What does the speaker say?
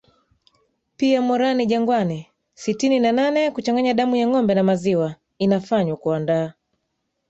pia moran jangwani Sitini na nane Kuchanganya damu ya ngombe na maziwa inafanywa kuandaa